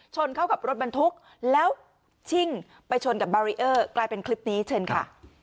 เข้ากับรถบรรทุกแล้วชิ่งไปชนกับบารีเออร์กลายเป็นคลิปนี้เชิญค่ะ